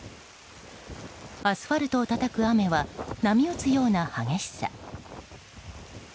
アスファルトをたたく雨は波打つような激しさ。